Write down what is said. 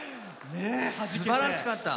すばらしかった！